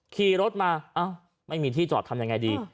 ขี่รถมาไม่มีที่จอดทำยังไงดี